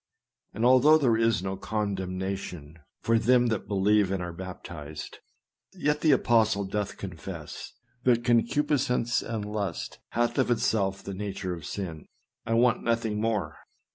And although there is no condemnation for them that believe and are baptized, yet the apostle doth confess, that concupiscence and lust hath of itself the nature of sin." I want nothing more.